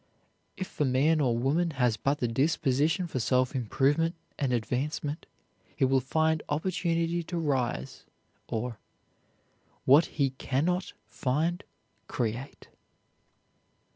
If a man or woman has but the disposition for self improvement and advancement he will find opportunity to rise or "what he can not find create."